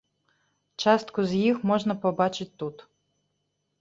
Частку з іх можна пабачыць тут.